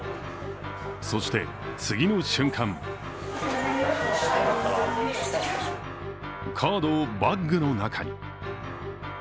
そして次の瞬間、カードをバッグの中に。